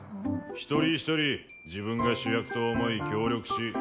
一人一人自分が主役と思い協力し。